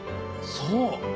そう！